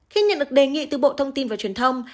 khi nhận được đề nghị từ bộ thông tin và truyền thông